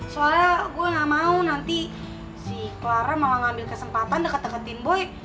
soalnya gue gak mau nanti si clara mau ngambil kesempatan deket deketin boy